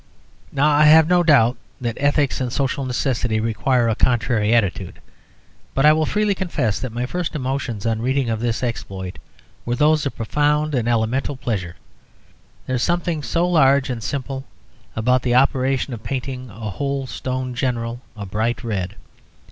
Now I have no doubt that ethics and social necessity require a contrary attitude, but I will freely confess that my first emotions on reading of this exploit were those of profound and elemental pleasure. There is something so large and simple about the operation of painting a whole stone General a bright red.